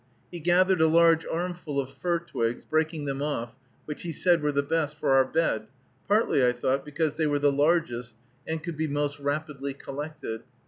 He gathered a large armful of fir twigs, breaking them off, which he said were the best for our bed, partly, I thought, because they were the largest and could be most rapidly collected.